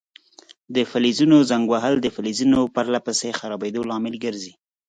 د فلزونو زنګ وهل د فلزونو پر له پسې خرابیدو لامل ګرځي.